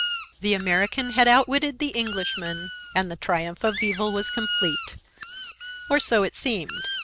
The American had outwitted the Englishman and the triumph of evil was complete. Or so it seemed.